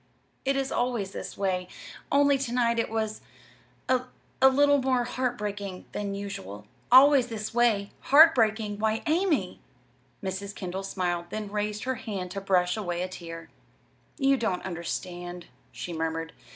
"It is always this way, only to night it was a a little more heart breaking than usual." "'Always this way'! 'Heart breaking'! Why, Amy!" Mrs. Kendall smiled, then raised her hand to brush away a tear. "You don't understand," she murmured.